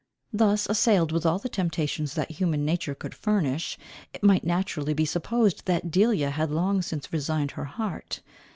Thus assailed with all the temptations that human nature could furnish, it might naturally be supposed, that Delia had long since resigned her heart.